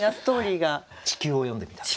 地球を詠んでみたんです。